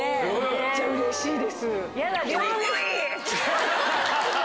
めっちゃうれしいです。